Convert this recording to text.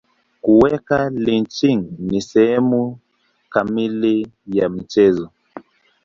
Kuweka lynching ni sehemu kamili ya mchezo.